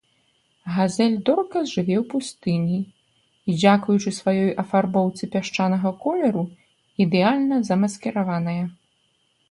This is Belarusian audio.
Газель-доркас жыве ў пустыні і, дзякуючы сваёй афарбоўцы пясчанага колеру, ідэальна замаскіраваная.